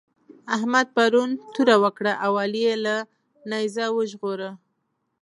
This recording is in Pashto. احمد پرون توره وکړه او علي يې له نېزه وژغوره.